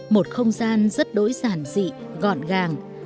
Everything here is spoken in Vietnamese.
một không gian rất đối giản dị gọn gàng